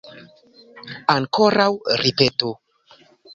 Ankoraŭ ripetu.